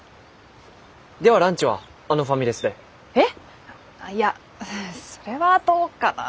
いやそれはどうかな。